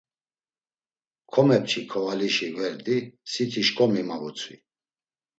Komepçi kovalişi gverdi, siti şkomi ma vutzvi.